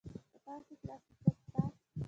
په تاسي کې داسې څوک شته.